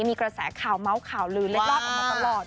มีกระแสข่าวเมาส์ข่าวลือเล็ดลากออกมาตลอด